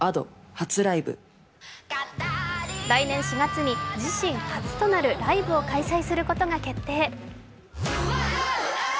来年４月に自身初となるライブを開催することが決定。